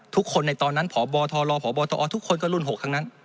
ทุกคนในตอนนั้นพบทรพบตอทุกคนก็รุ่น๖ทั้งนั้น